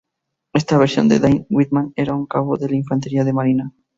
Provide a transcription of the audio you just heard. Esta versión de Dane Whitman era un cabo de la Infantería de Marina.